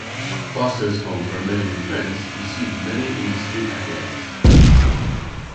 "Foster's Home for Imaginary Friends" received many industry accolades.